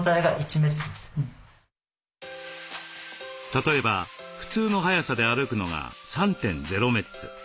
例えば普通の速さで歩くのが３．０メッツ。